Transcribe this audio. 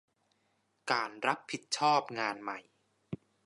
การรับผิดชอบงานใหม่